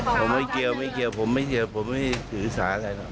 ผมไม่เกี่ยวผมไม่สื่อสารอะไรหรอก